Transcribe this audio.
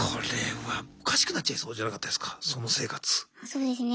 そうですね